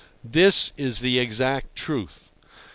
This is the exact truth.